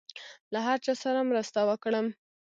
له هر چا سره مرسته وکړم.